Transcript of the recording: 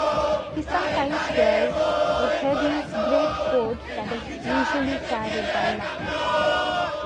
He sometimes wears a heavy "greatcoat" that is usually carried by Lucky.